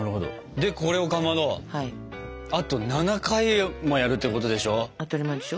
でこれをかまどあと７回もやるってことでしょ？